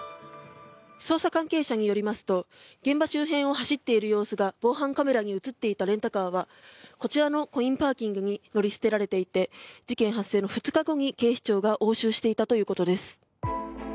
捜査関係者によりますと現場周辺を走っている様子が防犯カメラに映っていたレンタカーはこちらのコインパーキングに乗り捨てられていて事件発生の２日後に警視庁が押収していたということです。